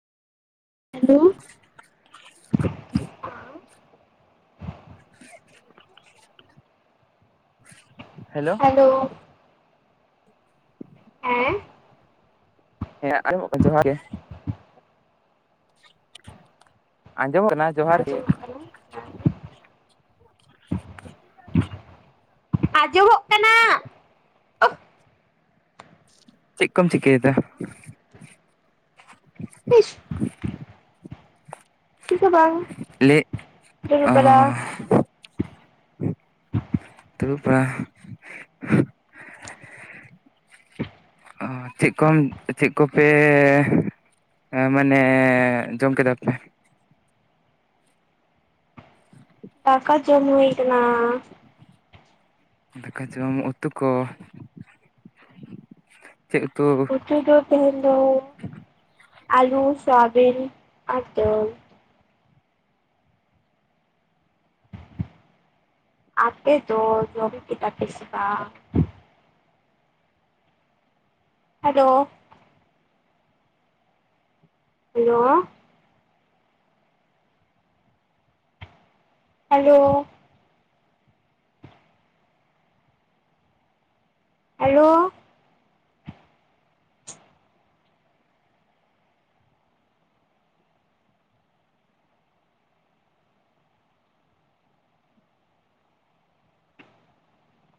Hello, [inaudible] hello, hello, ᱮᱸ ᱦᱮᱸ ᱟᱸᱚᱢᱚᱜ ᱠᱟᱱ ᱡᱚᱦᱟᱨ ᱜᱮ᱾ ᱟᱸᱡᱚᱢ ᱠᱟᱱᱟ? ᱡᱚᱦᱟᱨ ᱜᱮ [inaudible] ᱟᱸᱡᱚᱢᱚᱜ ᱠᱟᱱᱟ ᱪᱮᱜ ᱠᱚᱢ ᱪᱤᱠᱟᱹᱭ ᱫᱟ? ᱤᱥ ᱪᱮᱜ ᱜᱮ ᱵᱟᱝ ᱞᱟᱹᱭ ᱫᱩᱲᱩᱵ ᱵᱟᱲᱟ। ᱫᱩᱨᱩᱵ ᱵᱟᱲᱟ? ᱚ ᱪᱮᱜ ᱠᱚᱢ ᱪᱮᱜ ᱠᱚᱯᱮ? ᱮ ᱢᱟᱱᱮ ᱡᱚᱢ ᱠᱮᱫᱟ ᱯᱮ? ᱫᱟᱠᱟ ᱡᱚᱢ ᱦᱩᱭ ᱟᱠᱟᱱᱟ। ᱫᱟᱠᱟ ᱡᱚᱢ ᱩᱛᱩ ᱠᱚ ᱪᱮᱜ ᱩᱛᱩ? ᱩᱛᱩ ᱫᱚ ᱛᱮᱦᱮᱧ ᱫᱚ ᱟᱹᱞᱩ ᱥᱚᱣᱟᱵᱤᱱ ᱟᱨ ᱫᱟᱹᱞ। ᱟᱯᱮ ᱫᱚ ᱡᱚᱢ ᱠᱮᱫᱟ ᱯᱮᱥᱮ ᱵᱟᱝ? ᱦᱮᱞᱳ᱾ Hello, hello, hello,